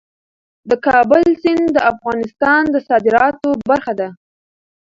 د کابل سیند د افغانستان د صادراتو برخه ده.